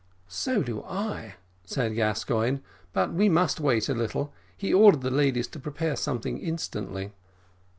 "So do I," said Gascoigne; "but we must wait a little he ordered the ladies to prepare something instantly."